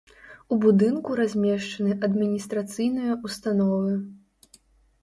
У будынку размешчаны адміністрацыйныя ўстановы.